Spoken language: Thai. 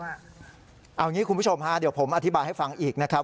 เอาอย่างนี้คุณผู้ชมผมต้องอธิบายให้ฟังอีกนะครับ